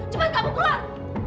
cepat kamu keluar